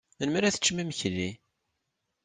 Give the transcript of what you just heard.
Melmi ara teččem imekli?